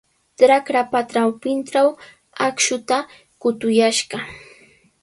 Trakrapa trawpintraw akshuta qutuyashqa.